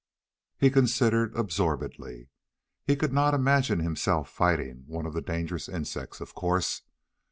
He considered absorbedly. He could not imagine himself fighting one of the dangerous insects, of course.